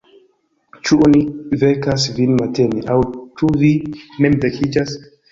Ĉu oni vekas vin matene, aŭ ĉu vi mem vekiĝas?